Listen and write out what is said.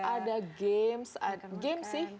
ada games games sih